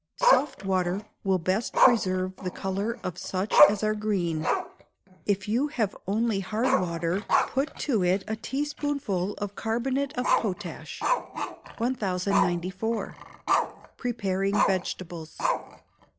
Soft water will best preserve the colour of such as are green; if you have only hard water, put to it a teaspoonful of carbonate of potash. 1094. Preparing Vegetables.